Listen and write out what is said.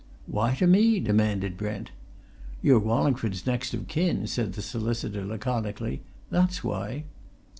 "Why to me?" demanded Brent. "You're Wallingford's next of kin," said the solicitor laconically. "That's why."